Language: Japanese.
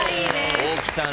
大木さん